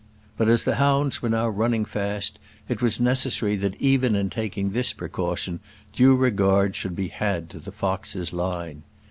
But as the hounds were now running fast it was necessary that even in taking this precaution due regard should be had to the fox's line.